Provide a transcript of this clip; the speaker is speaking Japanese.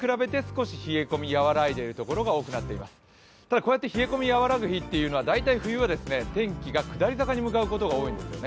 こうやって冷え込みが和らぐ日というのは天気が下り坂に向かうことが多いんですよね。